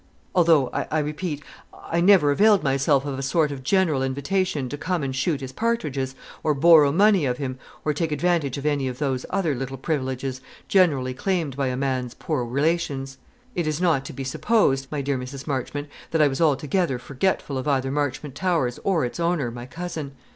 "Although, I repeat, I never availed myself of a sort of general invitation to come and shoot his partridges, or borrow money of him, or take advantage of any of those other little privileges generally claimed by a man's poor relations, it is not to be supposed, my dear Mrs. Marchmont, that I was altogether forgetful of either Marchmont Towers or its owner, my cousin.